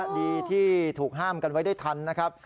ดีที่ถูกห้ามกันไว้ได้ทันนะครับ